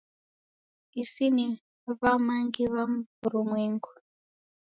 Isi ni wamangi wa wurumwengu.